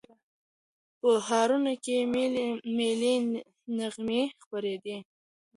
په ښارونو کې ملي نغمې خپرېدې.